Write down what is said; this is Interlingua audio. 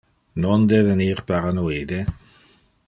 Non devenir paranoide.